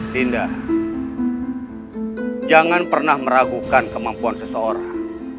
dinda jangan pernah meragukan kemampuan seseorang